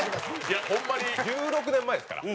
いやホンマに１６年前ですから。